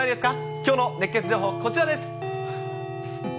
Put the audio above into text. きょうの熱ケツ情報、こちらです。